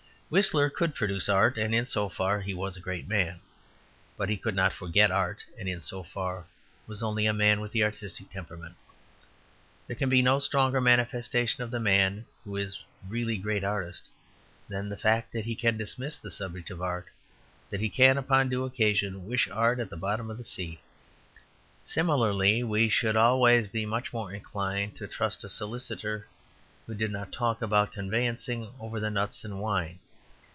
Whistler could produce art; and in so far he was a great man. But he could not forget art; and in so far he was only a man with the artistic temperament. There can be no stronger manifestation of the man who is a really great artist than the fact that he can dismiss the subject of art; that he can, upon due occasion, wish art at the bottom of the sea. Similarly, we should always be much more inclined to trust a solicitor who did not talk about conveyancing over the nuts and wine.